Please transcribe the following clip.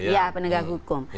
ya penegak hukum